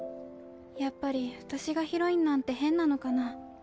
やっぱりわたしがヒロインなんてへんなのかなぁ。